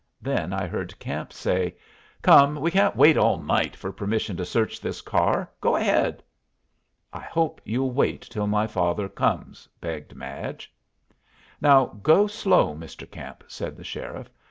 Then I heard Camp say, "Come, we can't wait all night for permission to search this car. Go ahead." "I hope you'll wait till my father comes," begged Madge. "Now go slow, Mr. Camp," said the sheriff.